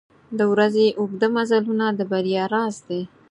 • د ورځې اوږده مزلونه د بریا راز دی.